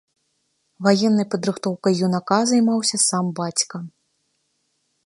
Ваеннай падрыхтоўкай юнака займаўся сам бацька.